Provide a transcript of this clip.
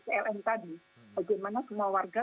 pln tadi bagaimana semua warga